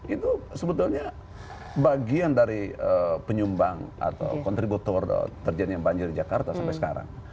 itu sebetulnya bagian dari penyumbang atau kontributor terjadinya banjir di jakarta sampai sekarang